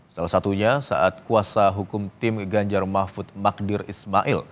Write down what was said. salah satunya saat kuasa hukum tim ganjar mahfud magdir ismail